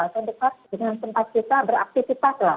atau dekat dengan tempat kita beraktifitas lah